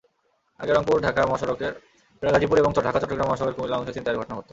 আগে রংপুর-ঢাকা মহাসড়কের গাজীপুর এবং ঢাকা-চট্টগ্রাম মহাসড়কের কুমিল্লার অংশে ছিনতাইয়ের ঘটনা ঘটত।